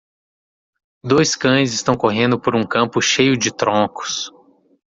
Dois cães estão correndo por um campo cheio de troncos.